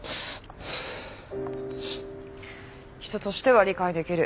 人としては理解できる。